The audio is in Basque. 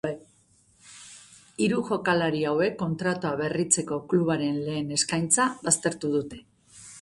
Hiru jokalari hauek kontratua berritzeko klubaren lehen eskaintza baztertu dute.